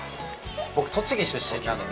僕栃木出身なんで。